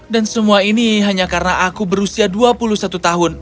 semua ini hanya karena aku berusia dua puluh satu tahun